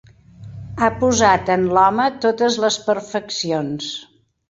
Ha posat en l'home totes les perfeccions.